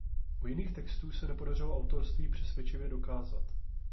U jiných textů se nepodařilo autorství přesvědčivě dokázat.